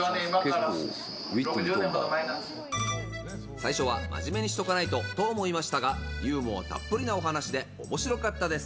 最初は真面目にしておかないとと思いましたがユーモアたっぷりな話で面白かったです。